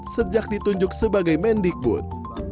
sejak ditunjuk sebagai mendikbud